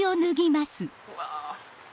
うわ！